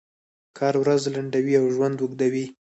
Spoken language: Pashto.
کار ورځ لنډوي او ژوند اوږدوي.